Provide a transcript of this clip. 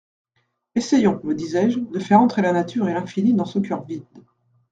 Essayons, me disais-je, de faire entrer la nature et l'infini dans ce coeur vide.